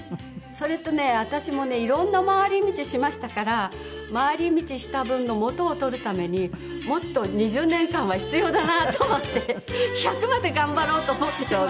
それとね私もね色んな回り道しましたから回り道した分の元を取るためにもっと２０年間は必要だなと思って。